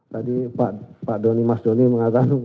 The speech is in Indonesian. tadi pak doni mas doni mengatakan